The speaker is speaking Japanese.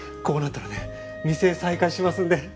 こうなったらね店再開しますんで。